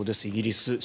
イギリス。